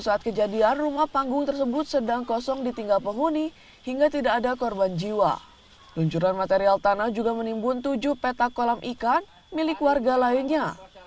satwa satwa tersebut merupakan hewan hewan yang dilindungi oleh warga lainnya